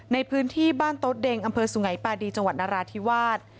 ในพื้นที่บ้านโต๊ะเด็งอสุงัยปาดีจนราธิวาส